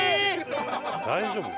大丈夫？